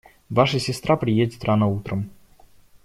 Ваша сестра приедет рано утром.